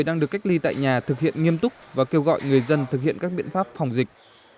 đang được cách ly tại nhà thực hiện nghiêm túc và kêu gọi người dân thực hiện các biện pháp phòng dịch